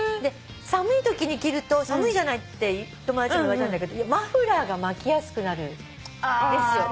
寒いときに切ると寒いじゃないって友達にも言われたんだけどマフラーが巻きやすくなるんですよ。